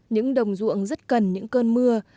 những đồng ruộng rất cần những cơn mưa